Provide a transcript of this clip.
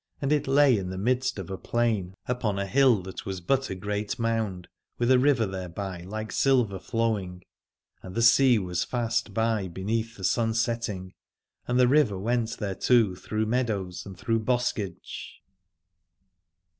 And it lay in the midst of a plain, upon a hill that was but a great mound, with a river thereby like silver flowing : and the sea was fast by beneath the sun setting, and the river went thereto through meadows and through boskage.